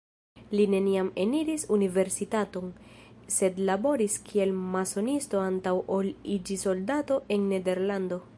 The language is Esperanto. Li neniam eniris universitaton, sed laboris kiel masonisto antaŭ ol iĝi soldato en Nederlando.